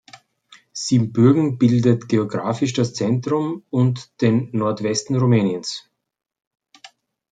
Siebenbürgen bildet geografisch das Zentrum und den Nordwesten Rumäniens.